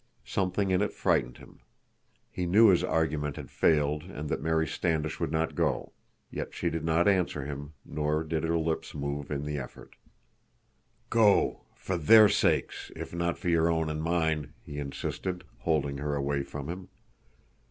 Something in it frightened him. He knew his argument had failed and that Mary Standish would not go; yet she did not answer him, nor did her lips move in the effort. "Go—for their sakes, if not for your own and mine," he insisted, holding her away from him.